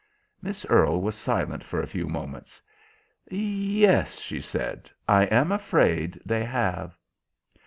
Miss Earle was silent for a few moments. "Yes," she said, "I am afraid they have."